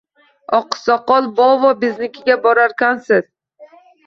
Oqsoqol bovo, biznikiga borarkansiz